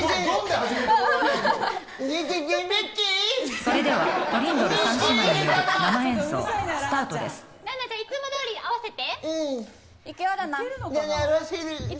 裸奈ちゃんいつもどおり合わせて。